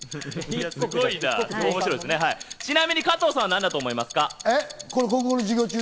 ちなみに加藤さんは何だと思いますか？